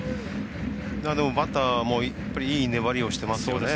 バッターもいい粘りをしてますよね。